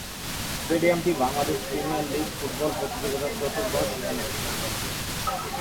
স্টেডিয়ামটি Bangladesh premier league football প্রতিযোগীতার চতুর্দশ venue.